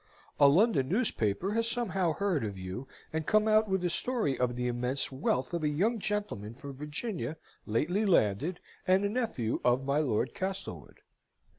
A London newspaper has somehow heard of you, and come out with a story of the immense wealth of a young gentleman from Virginia lately landed, and a nephew of my Lord Castlewood.